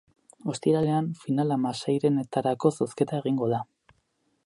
Ostiralean final-hamaseirenetarako zozketa egingo da.